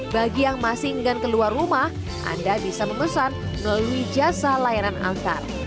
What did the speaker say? bagi yang masih ingin keluar rumah anda bisa memesan melalui jasa layanan angkar